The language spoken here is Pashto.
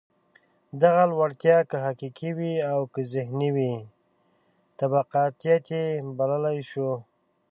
دغه لوړتیا که حقیقي وي او که ذهني وي، طبقاتيت یې بللای شو.